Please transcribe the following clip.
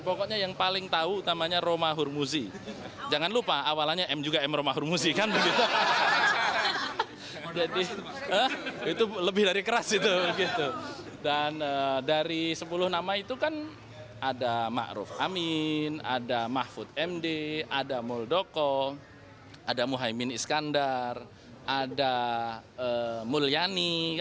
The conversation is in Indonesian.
jelang penutupan pendaftaran